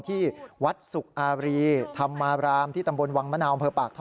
ที่วัดสุกอารีธรรมารามที่ตำบลวังมะนาวอำเภอปากท่อ